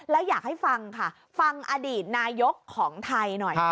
แล้วอยากให้ฟังค่ะฟังอดีตนายกของไทยหน่อย